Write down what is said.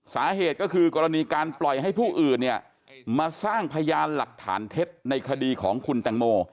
สาเหตุก็คือกรณีการปล่อยให้ผู้อื่นเนี่ยมาสร้างพยานหลักฐานเท็จในคดีของคุณแตงโม